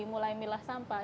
mulai milah sampah